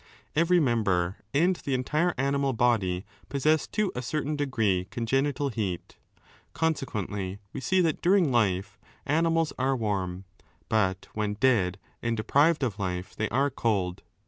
Every member and the entire animal body possess to a certain degree congenital heat. Consequently we see that during life animals are warm, but when dead and deprived of life they are cold.